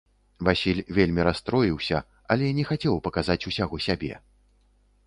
Васіль вельмі расстроіўся, але не хацеў паказаць усяго сябе.